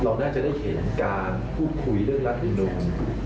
เราน่าจะได้เห็นการพูดคุยเรื่องรัฐมนุน